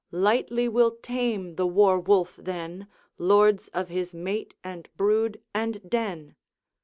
Lightly we'll tame the war wolf then, Lords of his mate, and brood, and den."